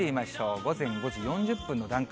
午前５時４０分の段階。